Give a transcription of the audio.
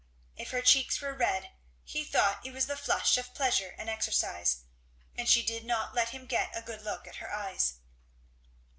If her cheeks were red he thought it was the flush of pleasure and exercise, and she did not let him get a good look at her eyes.